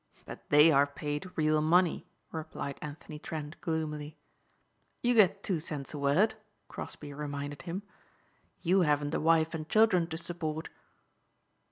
"But they are paid real money," replied Anthony Trent gloomily. "You get two cents a word," Crosbeigh reminded him, "you haven't a wife and children to support."